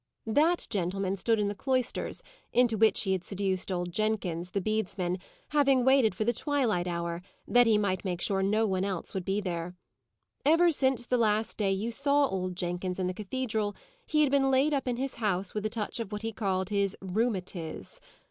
That gentleman stood in the cloisters, into which he had seduced old Jenkins, the bedesman, having waited for the twilight hour, that he might make sure no one else would be there. Ever since the last day you saw old Jenkins in the cathedral, he had been laid up in his house, with a touch of what he called his "rheumatiz."